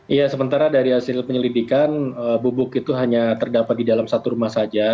iya sementara dari hasil penyelidikan bubuk itu hanya terdapat di dalam satu rumah saja